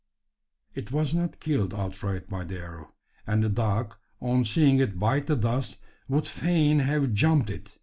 It was not killed outright by the arrow; and the dog, on seeing it bite the dust, would fain have "jumped" it.